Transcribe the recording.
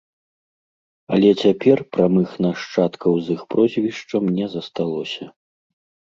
Але цяпер прамых нашчадкаў з іх прозвішчам не засталося.